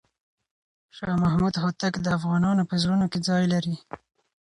شاه محمود هوتک د افغانانو په زړونو کې ځای لري.